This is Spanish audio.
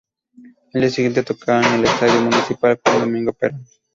Al día siguiente tocaron en el estadio Municipal Juan Domingo Perón.